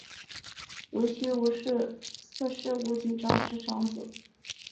濡须吴氏四世吴景昭之长子。